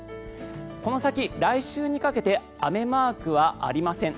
この先来週にかけて雨マークはありません。